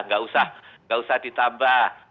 tidak usah ditambah